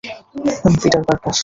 আমি Peter Parker.